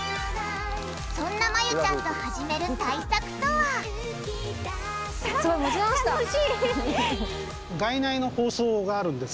そんなまゆちゃんと始める対策とは楽しい！